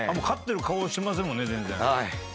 勝ってる顔してませんもんね。